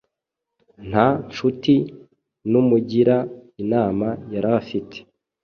nta ncuti, n’umugira inama yarafite.